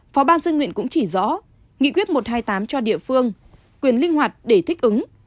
phó ban dân nguyện cũng chỉ rõ nghị quyết một trăm hai mươi tám cho địa phương quyền linh hoạt để thích ứng